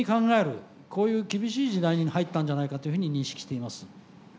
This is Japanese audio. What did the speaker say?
こういう厳しい時代に入ったんじゃないかというふうに認識しています。